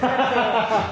ハハハハハ！